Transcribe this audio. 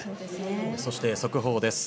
そして速報です。